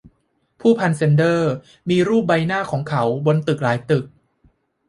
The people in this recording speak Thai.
ผู้พันแซนเดอมีรูปใบหน้าของเค้าบนตึกหลายตึก